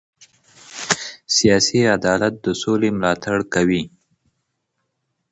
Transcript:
سیاسي عدالت د سولې ملاتړ کوي